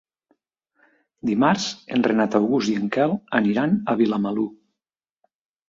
Dimarts en Renat August i en Quel aniran a Vilamalur.